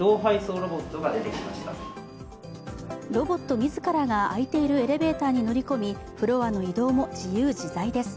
ロボット自らが開いているエレベーターに乗り込み、フロアの移動も自由自在です。